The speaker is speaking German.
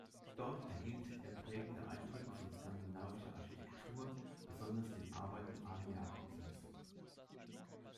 Dort erhielt er prägende Eindrücke von skandinavischer Architektur, besonders den Arbeiten Arne Jacobsens.